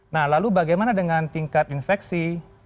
nah lalu bagaimana dengan tingkat infeksi